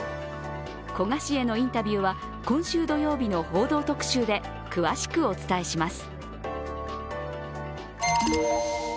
古賀氏へのインタビューは今週土曜日の「報道特集」で詳しくお伝えします。